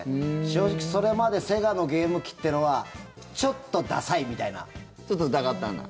正直、それまでセガのゲーム機っていうのはちょっと疑ったんだ。